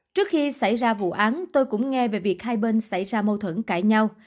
trước khi xảy ra vụ án tôi cũng nghe về việc hai bên xảy ra mâu thuẫn cãi nhau